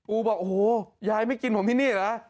บอกโอ้โหยายไม่กินผมที่นี่เหรอ